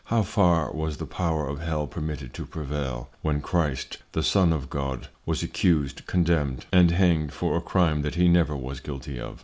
How far was the Power of Hell permitted to prevail, when Christ the Son of God was accused, condemned, and hanged for a Crime that he never was guilty of?